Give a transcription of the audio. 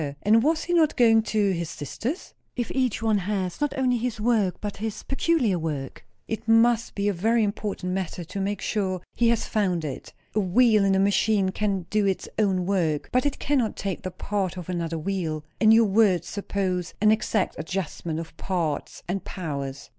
And was he not going to his sister's? "If each one has, not only his work but his peculiar work, it must be a very important matter to make sure he has found it. A wheel in a machine can do its own work, but it cannot take the part of another wheel. And your words suppose an exact adjustment of parts and powers."